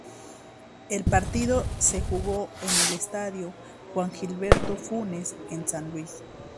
El partido se jugó en el Estadio Juan Gilberto Funes en San Luis.